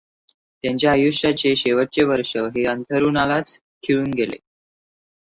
त्यांच्या आयुष्याचे शेवटचे वर्ष हे अंथरूणालाच खिळून गेले.